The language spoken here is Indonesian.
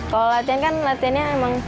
kalau latihan kan latihannya emang